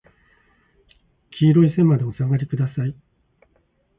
黄色い線までお下がりください。